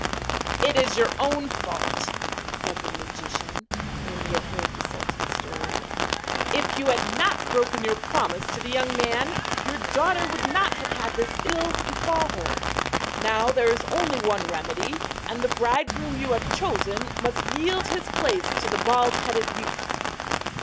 'It is your own fault,' said the magician, when he had heard the sultan's story. 'If you had not broken your promise to the young man, your daughter would not have had this ill befall her. Now there is only one remedy, and the bridegroom you have chosen must yield his place to the bald headed youth.'